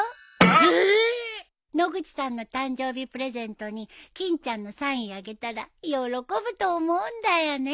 野口さんの誕生日プレゼントに欽ちゃんのサインあげたら喜ぶと思うんだよね。